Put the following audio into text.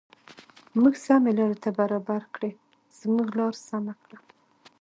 موږ سمې لارې ته برابر کړې زموږ لار سمه کړه.